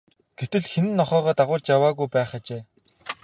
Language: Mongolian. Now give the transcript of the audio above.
Гэтэл хэн нь ч нохойгоо дагуулж явуулаагүй байх ажээ.